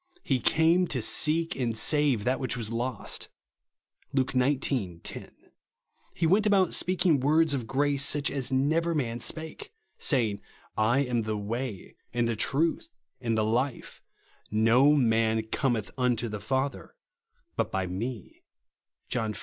"lie came to seek and save that which was lost " (Luke xix. 10) ; he went about speaking words of grace such as never man spake, saying, " I am the Way, and the Truth, and the Life : no man cometh unto the Father, but by me" (John xiv.